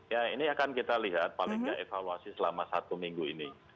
ya ini akan kita lihat paling nggak evaluasi selama satu minggu ini